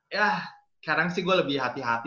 yah kadang sih gue lebih hati hati